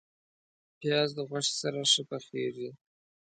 پیاز د غوښې سره ښه پخیږي